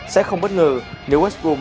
sẽ không bất ngờ nếu west brom